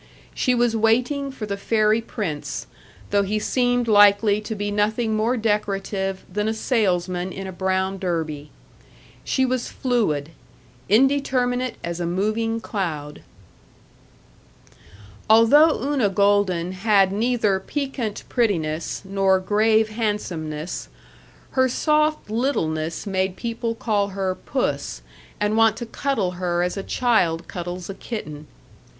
She was waiting for the fairy prince, though he seemed likely to be nothing more decorative than a salesman in a brown derby. She was fluid; indeterminate as a moving cloud. Although Una Golden had neither piquant prettiness nor grave handsomeness, her soft littleness made people call her "Puss," and want to cuddle her as a child cuddles a kitten.